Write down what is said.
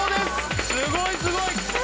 すごいすごい！